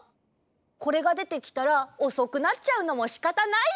これがでてきたらおそくなっちゃうのもしかたないよ。